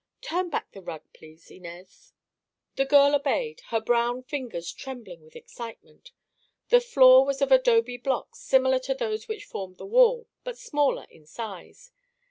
Turn back the rug, please, Inez." The girl obeyed, her brown fingers trembling with excitement. The floor was of adobe blocks similar to those which formed the wall, but smaller in size.